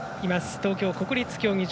東京・国立競技場。